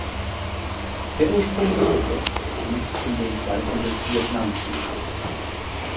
Der Ursprung des Begriffs liegt in den Zeiten des Vietnamkriegs.